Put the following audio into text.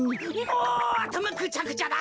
もうあたまぐちゃぐちゃだ。